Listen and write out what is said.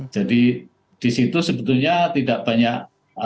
jadi di situ sebetulnya tidak banyak